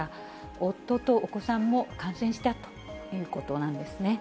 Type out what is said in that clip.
夫とお子さんも感染したということなんですね。